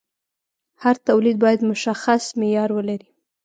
هر تولید باید مشخص معیار ولري.